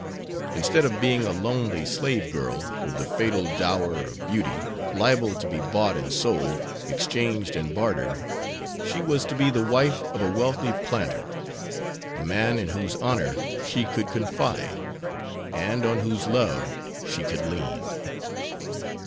Instead of being a lonely slave girl, with the fatal dower of beauty, liable to be bought and sold, exchanged, and bartered, she was to be the wife of a wealthy planter; a man in whose honor she could confide, and on whose love she could lean.